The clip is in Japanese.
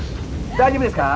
大丈夫ですか？